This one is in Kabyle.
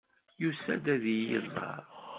Yusa-d ad iyi-iẓer.